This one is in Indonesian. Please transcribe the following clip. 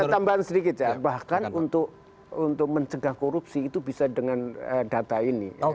tambahan sedikit ya bahkan untuk mencegah korupsi itu bisa dengan data ini